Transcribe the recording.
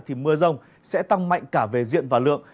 thì mưa rông sẽ tăng mạnh cả về diện và lượng